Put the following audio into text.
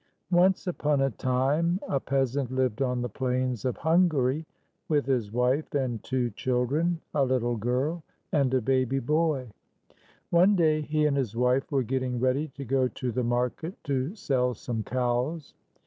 Once upon a time, a peasant lived on the plains of Hungary with his wife and two children, a little girl and a baby boy. One day, he and his wife were getting ready to go to the market to sell some cows.